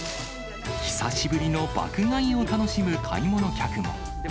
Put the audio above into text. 久しぶりの爆買いを楽しむ買い物客も。